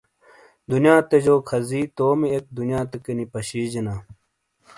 کونے گا تو گہ بُٹے اَنُو بَویےسانتی شچی دُنیاتے جو کھزی تومی اِک دنیاتیکینی پَشی جینا